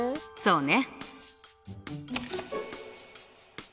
そうね。